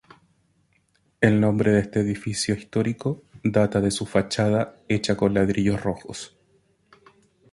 El nombre de este edificio histórico data de su fachada hecha con ladrillos rojos.